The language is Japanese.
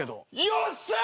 よっしゃ！